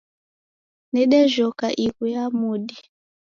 Nedejhoka ighu ya mudi